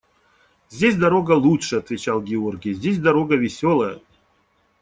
– Здесь дорога лучше, – отвечал Георгий, – здесь дорога веселая.